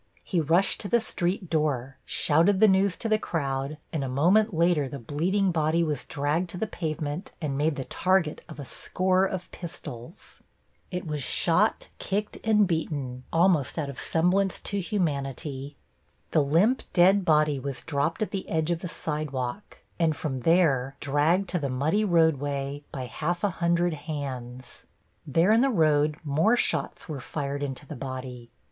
He rushed to the street door, shouted the news to the crowd, and a moment later the bleeding body was dragged to the pavement and made the target of a score of pistols. It was shot, kicked and beaten almost out of semblance to humanity.... The limp dead body was dropped at the edge of the sidewalk and from there dragged to the muddy roadway by half a hundred hands. There in the road more shots were fired into the body.